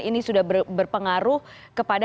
ini sudah berpengaruh kepada